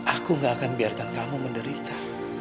aku gak akan biarkan kamu menderita